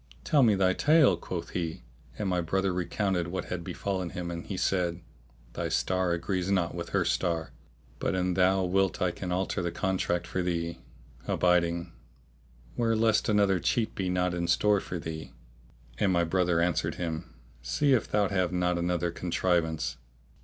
"Tell me thy tale," quoth he; and my brother recounted what had befallen him and he said, "Thy star agrees not with her star; but an thou wilt I can alter the contract for thee," adding, "'Ware lest another cheat be not in store for thee." And my brother answered him, "See if thou have not another contrivance."